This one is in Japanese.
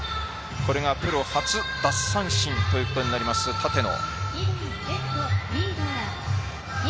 これがプロ初奪三振ということになります立野。